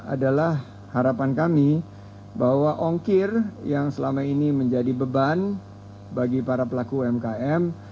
adalah harapan kami bahwa ongkir yang selama ini menjadi beban bagi para pelaku umkm